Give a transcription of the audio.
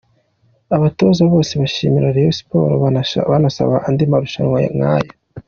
Abatoza bose bashimiye Rayon Sports banasaba andi marushanwa nk’aya.